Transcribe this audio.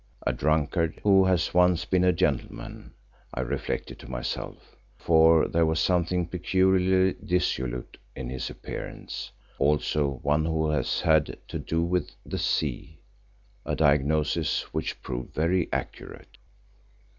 A drunkard who has once been a gentleman, I reflected to myself, for there was something peculiarly dissolute in his appearance, also one who has had to do with the sea, a diagnosis which proved very accurate.